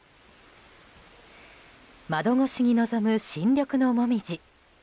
窓越しに望む新緑のモミジ。